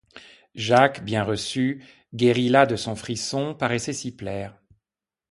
Jacques, bien reçu, guéri là de son frisson, paraissait s'y plaire.